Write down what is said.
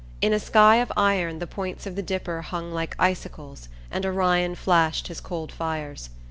In a sky of iron the points of the Dipper hung like icicles and Orion flashed his cold fires.